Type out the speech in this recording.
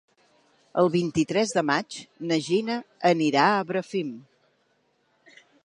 El vint-i-tres de maig na Gina anirà a Bràfim.